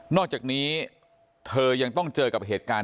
อกจากนี้เธอยังต้องเจอกับเหตุการณ์